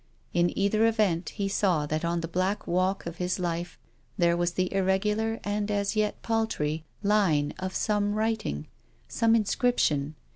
In either event he saw that on the black walk of his life there was the irregular, and as yet paltry, line of some writ ing, some inscription.